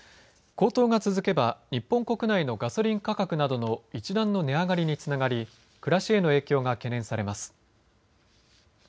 高騰が続けば日本国内のガソリン価格などの一段の値上がりにつながり暮らしへの影響が懸念されます。